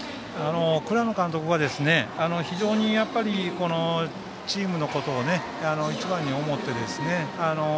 倉野監督は非常にチームのことを一番に思ってね。